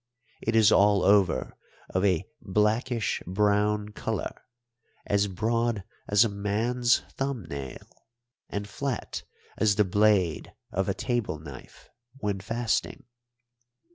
It is all over of a blackish brown colour, as broad as a man's thumb nail, and flat as the blade of a table knife when fasting.